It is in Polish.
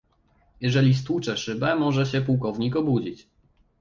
"Jeżeli stłucze szybę, może się pułkownik obudzić."